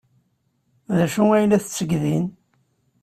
D acu ay la tetteg din?